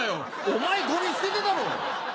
お前ゴミ捨ててたろ！